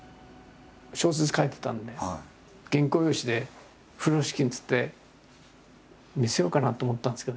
小説書いてたんで原稿用紙で風呂敷につって見せようかなと思ったんですけど。